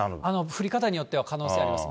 降り方によっては可能性あります。